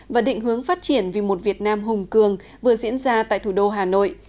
và định hướng phát triển vì một việt nam hùng cường vừa diễn ra tại thủ đô hà nội